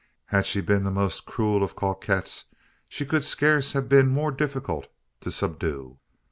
Had she been the most cruel of coquettes, she could scarce have been more difficult to subdue."